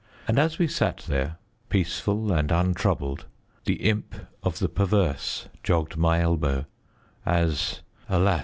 And as we sat there, peaceful and untroubled, the Imp of the Perverse jogged my elbow, as, alas!